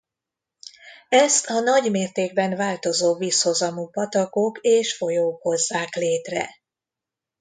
Ezt a nagy mértékben változó vízhozamú patakok és folyók hozzák létre.